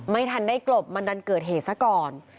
ไม่ทันได้กลบมันดันเกิดเหตุซะก่อน